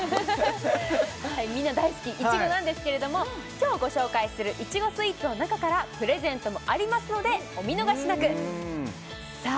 みんな大好きいちごなんですけれども今日ご紹介するいちごスイーツの中からプレゼントもありますのでお見逃しなくさあ